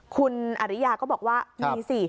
คุณอริยาก็บอกว่ามีสิ